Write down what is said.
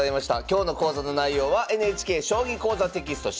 今日の講座の内容は「ＮＨＫ将棋講座」テキスト